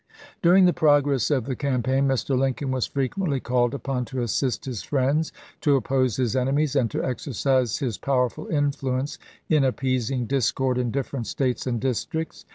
s' During the progress of the campaign Mr. Lin lsei coin was frequently called upon to assist his friends, to oppose his enemies, and to exercise his powerful influence in appeasing discord in different States and districts.